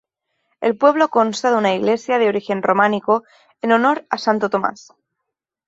El pueblo consta de una iglesia de origen románico, en honor a Santo Tomás.